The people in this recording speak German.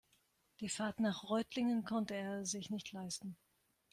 Die Fahrt nach Reutlingen konnte er sich nicht leisten